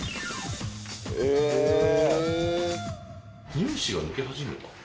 乳歯が抜け始めた？